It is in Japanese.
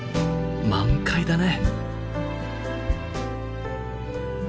満開だね。